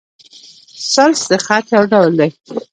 ثلث د خط؛ یو ډول دﺉ.